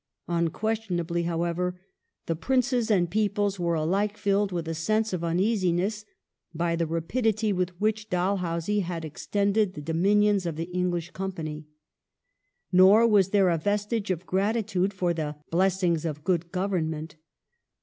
Unquestionably, however, the princes and peoples were alike filled with a sense of uneasiness by the rapidity with which Dalhousie had extended the dominions of the English Company. Nor was there a vestige of gratitude for the '' blessings of good Government